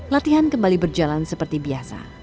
latihan kembali berjalan seperti biasa